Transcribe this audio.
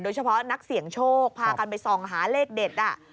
เฉพาะนักเสี่ยงโชคพากันไปส่องหาเลขเด็ด